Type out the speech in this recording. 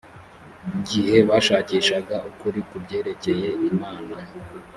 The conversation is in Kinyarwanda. gihe bashakishaga ukuri ku byerekeye imana